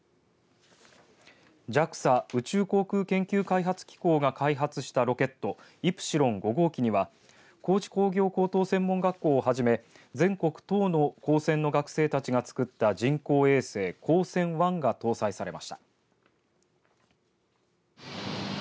ＪＡＸＡ宇宙航空研究開発機構が開発したロケットイプシロン５号機には高知工業高等専門学校を始め全国１０の高専の学生が作った人工衛星ＫＯＳＥＮ−１が搭載されました。